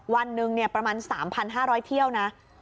วันหนึ่งประมาณ๓๕๐๐เที่ยวนะ